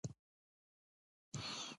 د شونډو د وچیدو لپاره باید څه شی وکاروم؟